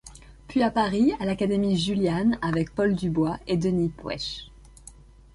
Puis à Paris, à l'Académie Julian avec Paul Dubois et Denys Puech.